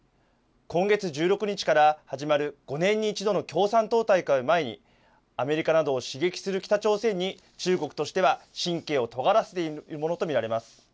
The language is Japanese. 今月１６日から始まる５年に１度の共産党大会を前にアメリカなどを刺激する北朝鮮に中国としては神経をとがらせているものと見られます。